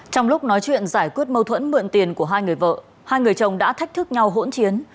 trong lúc nói chuyện giải quyết mâu thuẫn mượn tiền của hai người vợ hai người chồng đã thách thức nhau hỗn chiến